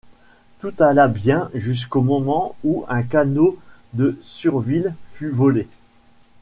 Tout alla bien jusqu’au moment où un canot de Surville fut volé.